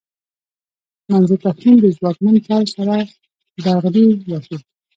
منظور پښتين د ځواکمن پوځ سره ډغرې وهي.